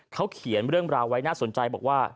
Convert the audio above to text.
เขาเขียนเรื่องราวไว้น่าสนใจบอกว่า